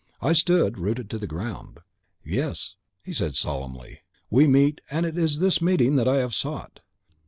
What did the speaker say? I stood rooted to the ground. "'Yes,' he said solemnly, 'we meet, and it is this meeting that I have sought.